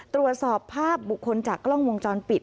ตรวจสอบภาพบุคคลจากกล้องวงจรปิด